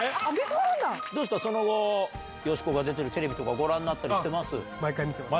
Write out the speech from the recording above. どうですか、その後、よしこが出てるテレビとかご覧になったりしてます？